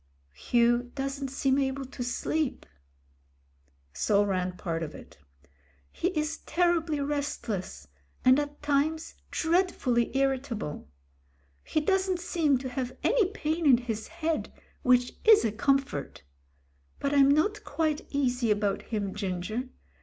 "... Hugh doesn't seem able to sleep." So ran part of it. "He is terribly restless, and at times dread fully irritable. He doesn't seem to have any pain in his head, which is a comfort. But I'm not quite easy about him, Ginger.